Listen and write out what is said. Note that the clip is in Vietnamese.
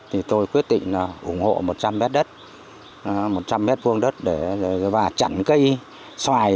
thì tôi quyết định là ủng hộ một trăm linh mét đất một trăm linh mét vuông đất để vào chặn cây xoài